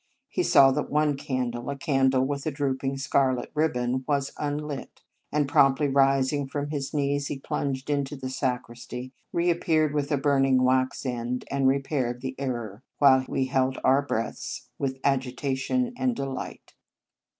He saw that one 7 In Our Convent Days candle, a candle with a drooping scar let ribbon, was unlit; and, promptly rising from his knees, he plunged into the sacristy, reappeared with a burn ing wax end, and repaired the error, while we held our breaths with agita tion and delight.